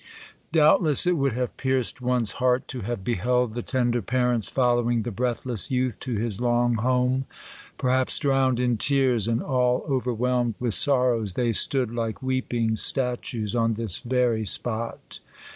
. Doubtless it would have pierced one's heart, to have beheld the tender parents following the breathless youth to his long home. Perhaps, drowned in tears, and all overwhelmed with sorrows, they stood, like weeping statues, on this very spot.